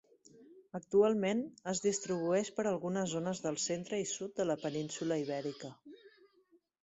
Actualment es distribueix per algunes zones del Centre i Sud de la península Ibèrica.